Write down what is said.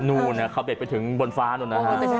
นู่นเขาเด็ดไปถึงบนฟ้านู้นนะฮะ